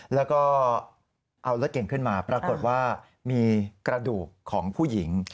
แล้วก็เอารถเก่งขึ้นมาปรากฏว่ามีกระดูกของผู้หญิง